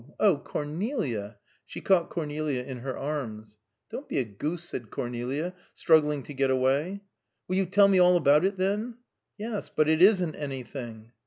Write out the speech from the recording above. Oh Cornelia!" She caught Cornelia in her arms. "Don't be a goose!" said Cornelia, struggling to get away. "Will you tell me all about it, then?" "Yes. But it isn't anything."